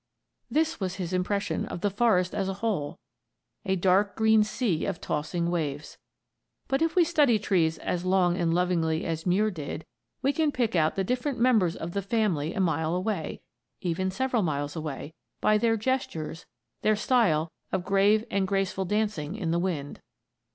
This was his impression of the forest as a whole, a dark green sea of tossing waves. But if we study trees as long and lovingly as Muir did, we can pick out the different members of the family a mile away even several miles away by their gestures, their style of grave and graceful dancing in the wind.